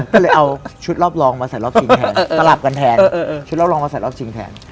ก็เลยเอาชุดรอบรองมาใส่รอบชิงแทนสลับกันแทนชุดรอบรองมาใส่รอบชิงแทน